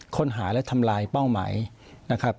ค้นหาและทำลายเป้าหมายนะครับ